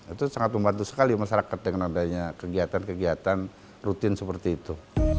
itu sangat membantu sekali masyarakat dengan adanya kegiatan kegiatan rutin seperti itu